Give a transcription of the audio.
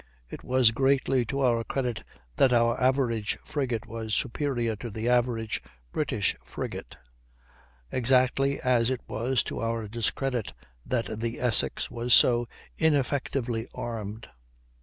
It was greatly to our credit that our average frigate was superior to the average British frigate; exactly as it was to our discredit that the Essex was so ineffectively armed.